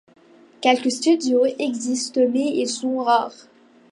Quelques studios existent mais ils sont rares.